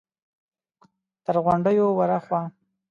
تر غونډيو ور هاخوا!